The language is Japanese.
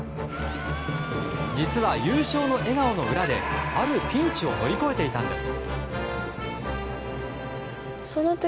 実は、優勝の笑顔の裏であるピンチを乗り越えていたんです。